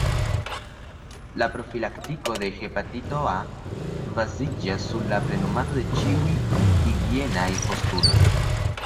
La profilaktiko de hepatito A baziĝas sur la plenumado de ĉiuj higienaj postuloj.